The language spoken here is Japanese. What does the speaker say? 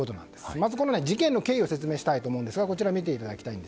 まず、この事件の経緯を説明したいと思います。